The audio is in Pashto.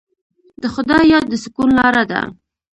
د خدای یاد د سکون لاره ده.